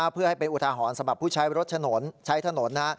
เพื่อให้เป็นอุทาหรณ์สำหรับผู้ใช้รถถนนใช้ถนน